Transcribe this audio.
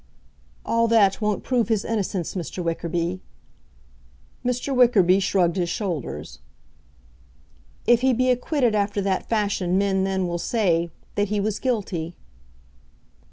"All that won't prove his innocence, Mr. Wickerby." Mr. Wickerby shrugged his shoulders. "If he be acquitted after that fashion men then will say that he was guilty."